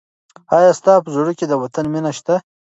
آیا ستا په زړه کې د وطن مینه شته؟